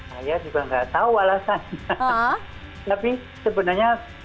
saya juga nggak tahu alasannya